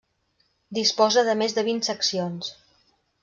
Disposa de més de vint seccions.